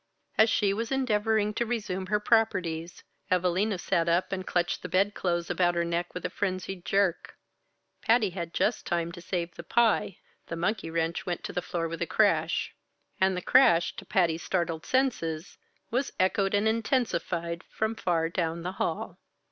As she was endeavoring to resume her properties, Evalina sat up and clutched the bed clothes about her neck with a frenzied jerk. Patty just had time to save the pie the monkey wrench went to the floor with a crash; and the crash, to Patty's startled senses, was echoed and intensified from far down the hall.